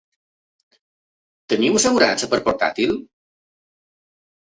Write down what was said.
Teniu assegurança per portàtil?